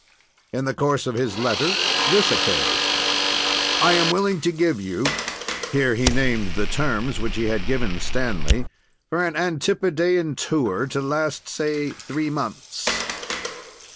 In the course of his letter this occurs: "I am willing to give you" [here he named the terms which he had given Stanley] "for an antipodean tour to last, say, three months."